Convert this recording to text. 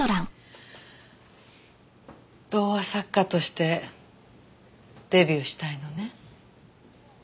童話作家としてデビューしたいのね？